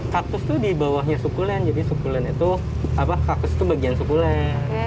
kaktus tuh di bawahnya suku len jadi suku len itu kaktus tuh bagian suku len